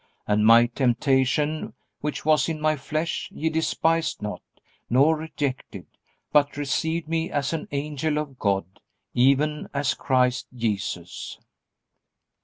And my temptation which was in my flesh ye despised not, nor rejected; but received me as an angel of God, even as Christ Jesus.